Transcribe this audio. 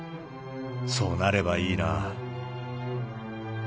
そうなればいいなあ。